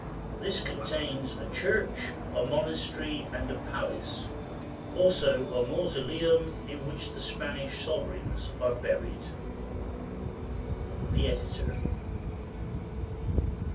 This contains a church, a monastery, and a palace, also a mausoleum in which the Spanish sovereigns are buried. The Editor.